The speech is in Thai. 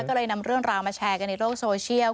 ก็เลยนำเรื่องราวมาแชร์กันในโลกโซเชียล